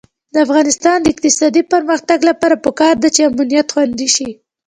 د افغانستان د اقتصادي پرمختګ لپاره پکار ده چې امنیت خوندي شي.